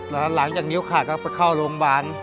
แล้วหลังจากนิ้วขาดก็ไปเข้ารงบาน